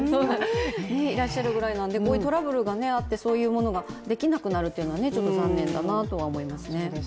いらっしゃるぐらいなんで、こういうトラブルがあって、そういうものができなくなるっていうのはちょっと残念だなとは思いますね。